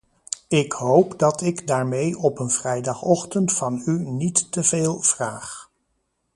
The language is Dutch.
Ik hoop dat ik daarmee op een vrijdagochtend van u niet teveel vraag.